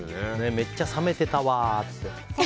めっちゃ冷めてたわって。